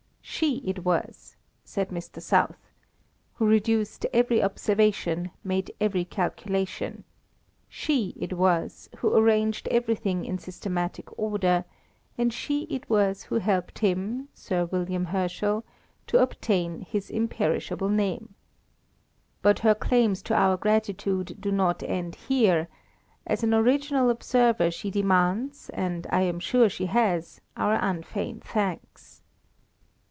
"She it was," said Mr. South, "who reduced every observation, made every calculation; she it was who arranged everything in systematic order; and she it was who helped him (Sir W. Herschel) to obtain his imperishable name. But her claims to our gratitude do not end here: as an original observer she demands, and I am sure she has, our unfeigned thanks."